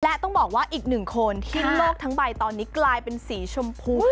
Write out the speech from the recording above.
และต้องบอกว่าอีกหนึ่งคนที่โลกทั้งใบตอนนี้กลายเป็นสีชมพู